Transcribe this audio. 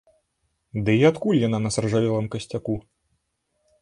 Ды і адкуль яна на саржавелым касцяку?